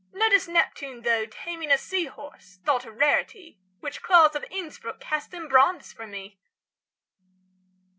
Notice Neptune, though, Taming a sea horse, thought a rarity, Which Claus of Innsbruck° cast in bronze for me!